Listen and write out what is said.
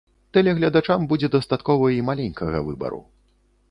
Тэлегледачам будзе дастаткова і маленькага выбару.